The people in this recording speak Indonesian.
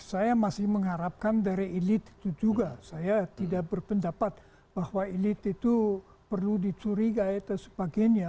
saya masih mengharapkan dari elit itu juga saya tidak berpendapat bahwa elit itu perlu dicurigai dan sebagainya